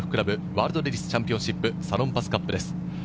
ワールドレディスチャンピオンシップサロンパスカップです。